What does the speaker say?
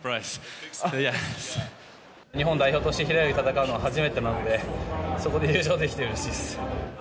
日本代表として平泳ぎで戦うのは初めてなので、そこで優勝できてうれしいです。